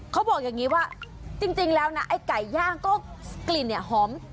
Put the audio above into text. เขาบอกอย่างนี้ว่าจริงแล้วนะไอ้ไก่ย่างก็กลิ่นเนี่ยหอม